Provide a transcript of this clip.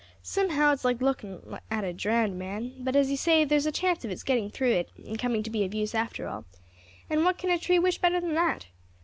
Somehow it's like looking at a drowned man; but, as you say, there's a chance of its getting through it and coming to be of use after all, and what can a tree wish better than that?